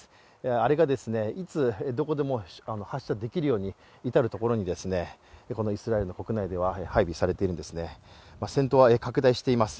あれがいつどこでも発射できるように至る所にこのイスラエルの国内では配備されているんですね、戦闘は拡大しています。